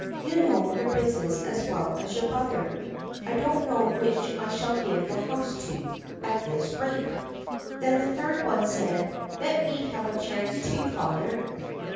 "You know your business as well as your brother. I don't know which I shall give the house to at this rate." Then the third one said: "Let me have a chance, too, father."